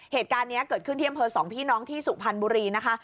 เหตุการณ์นี้เกิดขึ้นเที่ยงเผลอ๒พี่น้องที่สุขพันธ์บุรีนะคะ